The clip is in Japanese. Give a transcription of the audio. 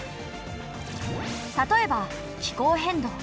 例えば気候変動。